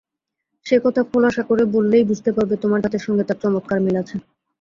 সে কথা খোলসা করে বললেই বুঝতে পারবে তোমার ধাতের সঙ্গে তার চমৎকার মিল আছে।